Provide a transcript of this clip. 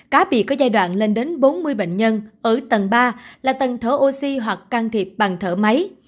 cá biệt có giai đoạn lên đến bốn mươi bệnh nhân ở tầng ba là tầng thở oxy hoặc can thiệp bằng thở máy